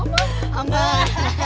ya udah mak